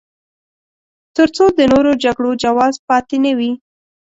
تر څو د نورو جګړو جواز پاتې نه وي.